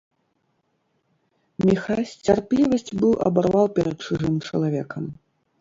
Міхась цярплівасць быў абарваў перад чужым чалавекам.